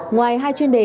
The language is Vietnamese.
ngoài hai chuyên đề